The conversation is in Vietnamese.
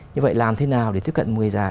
như vậy làm thế nào để tiếp cận người già